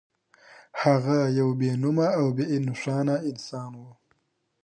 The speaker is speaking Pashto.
هغه يو بې نومه او بې نښانه انسان و.